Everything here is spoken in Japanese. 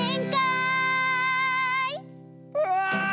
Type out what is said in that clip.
うわ！